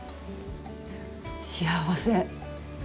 幸せ。